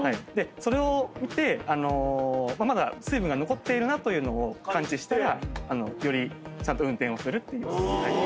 それを見てまだ水分が残っているなというのを感知したらよりちゃんと運転をするっていう。